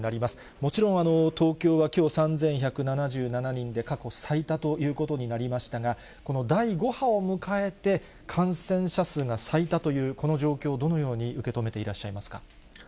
もちろん東京はきょう３１７７人で、過去最多ということになりましたが、この第５波を迎えて、感染者数が最多というこの状況、どのように受け止めていらっしゃいますか。